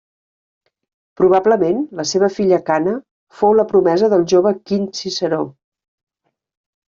Probablement la seva filla Cana fou la promesa del jove Quint Ciceró.